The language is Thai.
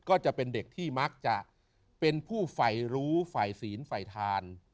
ก็จะเป็นเด็กที่มักจะเป็นผู้ฝ่ายรู้ฝ่ายศีลฝ่ายทาน